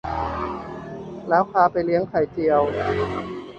แล้วพาไปเลี้ยงไข่เจียว